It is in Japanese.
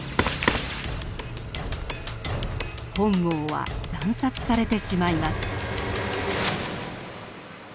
本郷は惨殺されてしまいます。